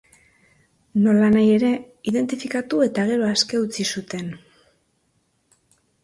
Nolanahi ere, identifikatu eta gero aske utzi zuten.